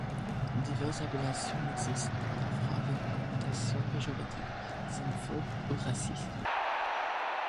Diverses appellations existent, parfois avec une connotation péjorative, xénophobe ou raciste.